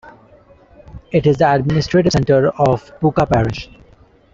It is the administrative centre of Puka Parish.